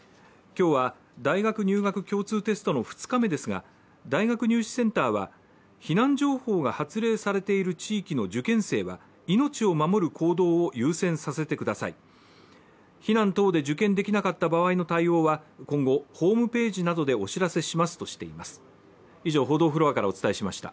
今日は大学入学共通テストの２日目ですが大学入試センターは、避難情報が発令されている地域の受験生は命を守る行動を優先させてください避難等で受験できなかった場合の対応は今後ホームページなどでお知らせしますとしています。